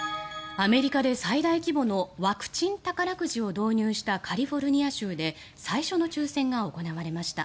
アメリカで最大規模のワクチン宝くじを導入したカリフォルニア州で最初の抽選が行われました。